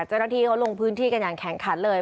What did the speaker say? เจ้าหน้าที่เขาลงพื้นที่กันอย่างแข็งขันเลย